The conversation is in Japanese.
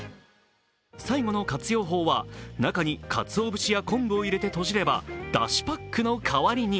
最後の活用法は、中にかつお節や昆布を入れて閉じればだしパックの代わりに。